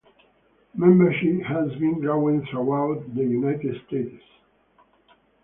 Membership has been growing throughout the United States.